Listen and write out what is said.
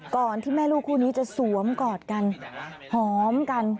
ที่แม่ลูกคู่นี้จะสวมกอดกันหอมกัน